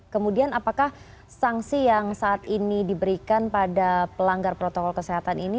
kemudian apakah sanksi yang saat ini diberikan pada pelanggar protokol kesehatan ini